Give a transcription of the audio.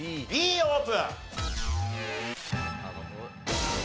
Ｂオープン！